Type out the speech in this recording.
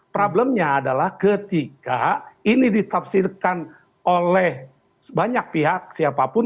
problemnya adalah ketika ini ditafsirkan oleh banyak pihak siapapun